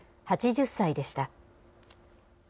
８０歳でした。